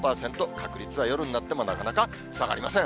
確率は夜になってもなかなか下がりません。